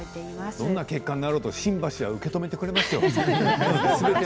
どんな結果になろうと新橋は受け止めてくれますよ。